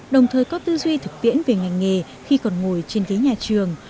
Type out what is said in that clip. đồng thời có tư duy thực tiễn về ngành nghề khi còn ngồi trên ghế nhà trường